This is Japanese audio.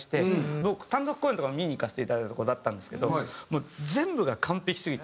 僕単独公演とかも見に行かせていただいた事あったんですけど全部が完璧すぎて。